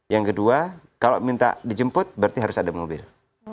yang kedua kalau minta dijemput berarti harus ada mobil